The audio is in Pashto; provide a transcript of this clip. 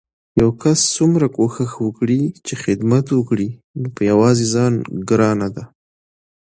يو کس څومره کوښښ وکړي چې خدمت وکړي نو په يوازې ځان ګرانه ده